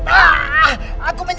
padahal apapun yang menciuminya